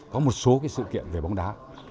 có một số cái sự kiện về bóng đá